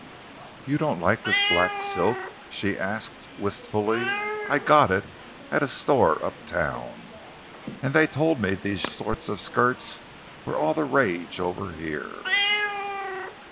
"You don't like this black silk?" she asked wistfully. "I got it at a store up town, and they told me these sort of skirts were all the rage over here."